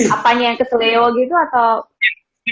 apanya yang keselio gitu atau